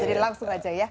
jadi langsung aja ya